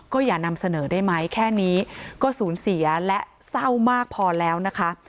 อย่านำเสนอได้ไหมแค่นี้ก็สูญเสียและเศร้ามากพอแล้วนะคะ